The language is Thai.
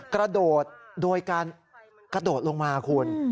กระโดดโดยการกระโดดลงมาคุณ